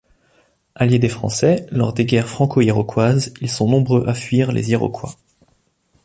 Alliés des Français, lors des guerres franco-iroquoises, ils sont nombreux à fuir les Iroquois.